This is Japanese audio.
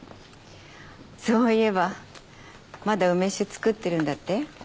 そういえばまだ梅酒作ってるんだって？